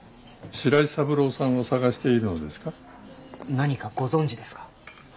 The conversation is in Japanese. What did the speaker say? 何かご存じですか？